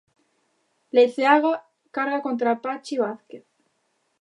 Leiceaga carga contra Pachi Vázquez.